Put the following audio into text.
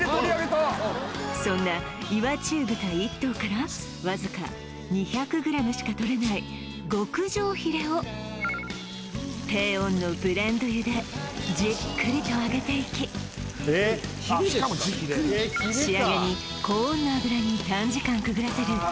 そんな岩中豚１頭からわずか２００ｇしかとれない極上ヒレを低温のブレンド油でじっくりと揚げていき仕上げに高温の油に短時間くぐらせる